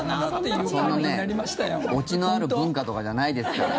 そんなね、オチのある文化とかじゃないですから。